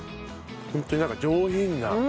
ホントになんか上品な。